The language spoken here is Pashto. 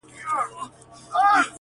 ماما خېل یې په ځنګله کي یابوګان وه!!